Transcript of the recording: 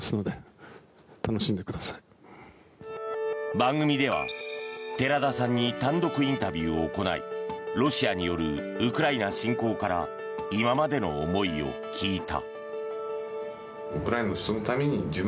番組では、寺田さんに単独インタビューを行いロシアによるウクライナ侵攻から今までの思いを聞いた。